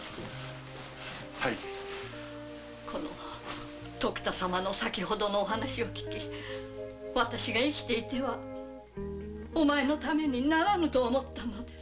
この徳田様の先程のお話を聞き私が生きていてはお前のためにならぬと思ったのです。